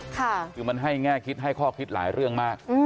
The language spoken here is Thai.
คือมันให้แง่คิดให้ข้อคิดหลายเรื่องมาก